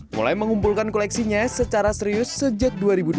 mulai mengumpulkan koleksinya secara serius sejak dua ribu delapan